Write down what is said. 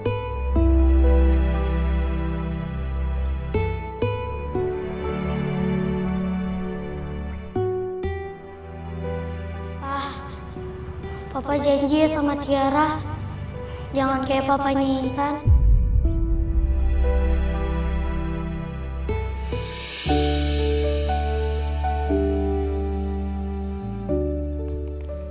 pak papa janji ya sama tiara jangan kayak papa intan